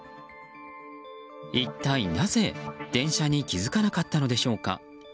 一体なぜ、電車に気付かなかったのでしょうか。